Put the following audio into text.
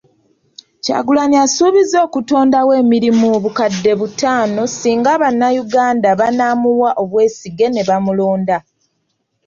Kyagulanyi asuubizza okutondawo emirimu obukadde butaano singa bannayuganda banaamuwa obwesige ne bamulonda.